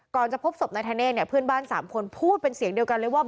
จะพบศพนายธเนธเนี่ยเพื่อนบ้าน๓คนพูดเป็นเสียงเดียวกันเลยว่า